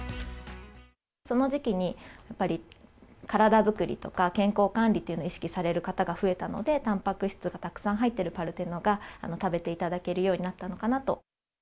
その時期にやっぱり体作りとか、健康管理というのを意識される方が増えたので、たんぱく質がたくさん入っているパルテノが、食べていただけるようになったのかなと。